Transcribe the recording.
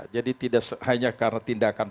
jadi tidak hanya karena tindakan